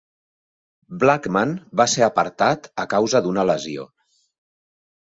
Blackman va ser apartat a causa d'una lesió.